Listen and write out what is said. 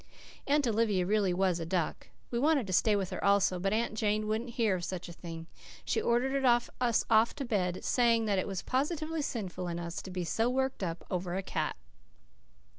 Aunt Olivia really was a duck. We wanted to stay with her also, but Aunt Janet wouldn't hear of such a thing. She ordered us off to bed, saying that it was positively sinful in us to be so worked up over a cat.